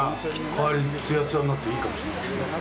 帰り、つやつやになって、いいかもしれないですね。